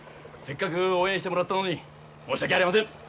せっかく応援してもらったのに申し訳ありません。